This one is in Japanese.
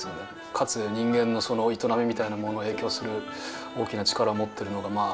かつ人間の営みみたいなものへ影響する大きな力を持ってるのがまあ